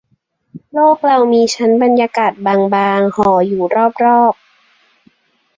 โลกเรามีชั้นบรรยากาศบางบาง ห่ออยู่รอบรอบ